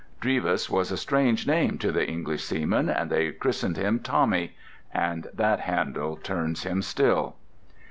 "Drevis" was a strange name to the English seamen, and they christened him "Tommy," and that handle turns him still.